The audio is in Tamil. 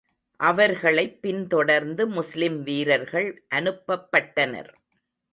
அவர்களைப் பின் தொடர்ந்து முஸ்லிம் வீரர்கள் அனுப்பப்பட்டனர்.